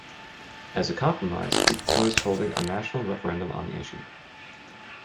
As a compromise he proposed holding a national referendum on the issue.